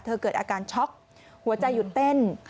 เกิดอาการช็อกหัวใจหยุดเต้น